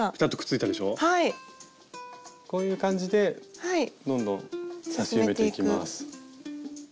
こういう感じでどんどん刺し埋めていきます。